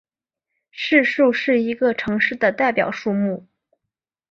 市树是一个城市的代表树木。